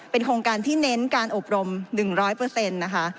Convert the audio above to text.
โครงการที่เน้นการอบรม๑๐๐นะคะ